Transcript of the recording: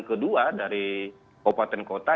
kedua dari kabupaten kota